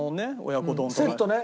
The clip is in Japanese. セットね。